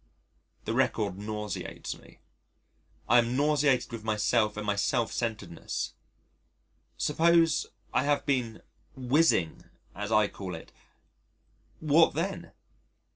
The record nauseates me. I am nauseated with myself and my self centredness.... Suppose I have been "whizzing" as I call it what then?